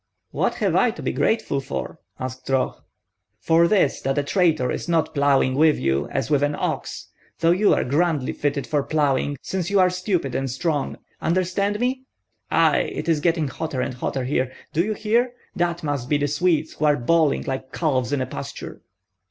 "What have I to be grateful for?" asked Roh. "For this, that a traitor is not ploughing with you, as with an ox, though you are grandly fitted for ploughing, since you are stupid and strong. Understand me? Ai! it is getting hotter and hotter there. Do you hear? That must be the Swedes who are bawling like calves in a pasture."